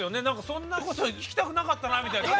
そんなこと聞きたくなかったなみたいな。